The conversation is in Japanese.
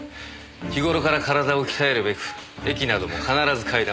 日頃から体を鍛えるべく駅なども必ず階段を使う。